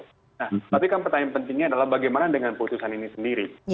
nah tapi kan pertanyaan pentingnya adalah bagaimana dengan putusan ini sendiri